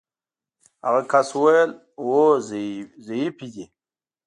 هغه کس وویل: هو ضعیفې دي.